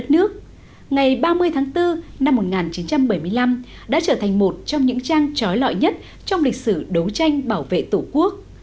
tháng bốn năm một nghìn chín trăm bảy mươi năm đã trở thành một trong những trang trói lọi nhất trong lịch sử đấu tranh bảo vệ tổ quốc